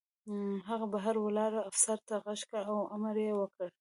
هغه بهر ولاړ افسر ته غږ کړ او امر یې وکړ